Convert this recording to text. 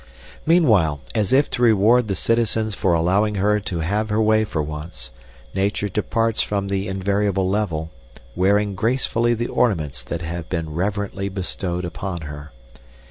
Meanwhile, as if to reward the citizens for allowing her to have her way for once, Nature departs from the invariable level, wearing gracefully the ornaments that have been reverently bestowed upon her.